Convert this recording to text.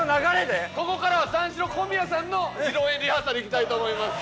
ここからは三四郎小宮さんの披露宴リハーサルいきたいと思います。